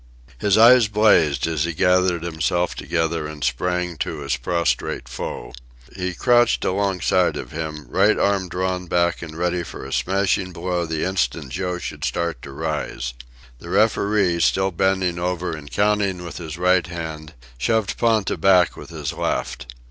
His eyes blazed as he gathered himself together and sprang to his prostrate foe. He crouched alongside of him, right arm drawn back and ready for a smashing blow the instant Joe should start to rise. The referee, still bending over and counting with his right hand, shoved Ponta back with his left.